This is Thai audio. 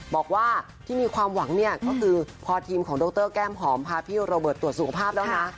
บอกว่าที่มีความหวังเนี่ยก็คือพอทีมของดรแก้มหอมพาพี่โรเบิร์ตตรวจสุขภาพแล้วนะ